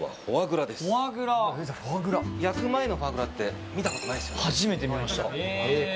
焼く前のフォアグラって見たことないですか。